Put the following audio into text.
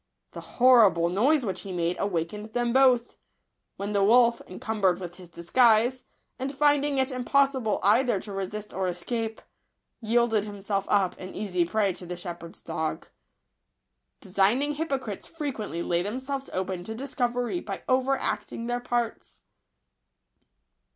The horrible noise which he made awakened them both ; when the wolf, encumbered with his disguise, and finding it impossible either to resist or escape, yielded himself up an easy prey to the shepherd's dog. Designing hypocrites frequently lay them selves open to discovery by over acting their parts.